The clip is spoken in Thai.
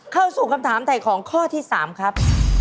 เข้าสู่คำถามถ่ายของข้อที่๓ครับ